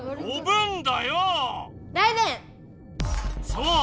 そう！